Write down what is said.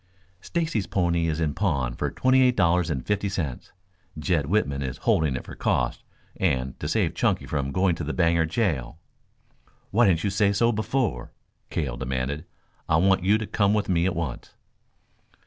"Stacy's pony is in pawn for twenty eight dollars and fifty cents. Jed Whitman is holding it for costs and to save Chunky from going to the Bangor jail." "Why didn't you say so before?" Cale demanded. "I want you to come with me at once."